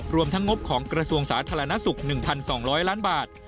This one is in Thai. รวมทั้งงบของกระทรวงสาธารณสุข๑๒๐๐ล้านบาท